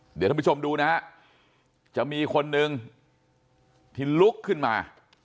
เดี๋ยวท่านผู้ชมดูนะฮะจะมีคนนึงที่ลุกขึ้นมา